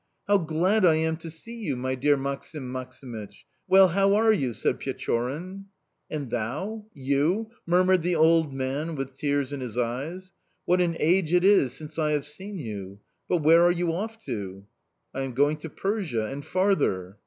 "How glad I am to see you, my dear Maksim Maksimych! Well, how are you?" said Pechorin. "And... thou... you?" murmured the old man, with tears in his eyes. "What an age it is since I have seen you!... But where are you off to?"... "I am going to Persia and farther."...